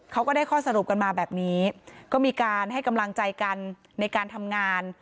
ก็ได้ข้อสรุปกันมาแบบนี้ก็มีการให้กำลังใจกันในการทำงาน